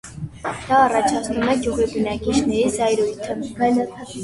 Դա առաջացնում է գյուղի բնակիչների զայրույթը։